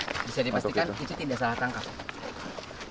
bisa dipastikan itu tidak salah tangkap